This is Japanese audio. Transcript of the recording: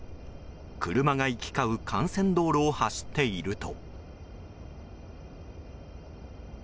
車が行き交う幹線道路を走っていると。